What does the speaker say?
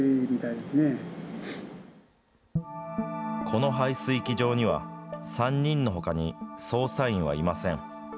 この排水機場には、３人のほかに操作員はいません。